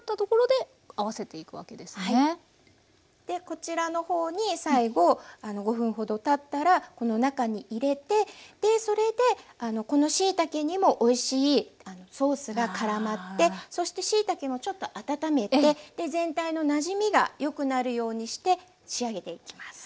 こちらの方に最後５分ほどたったらこの中に入れてそれでこのしいたけにもおいしいソースがからまってそしてしいたけもちょっと温めて全体のなじみがよくなるようにして仕上げていきます。